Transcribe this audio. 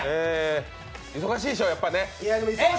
忙しいでしょ、やっぱね？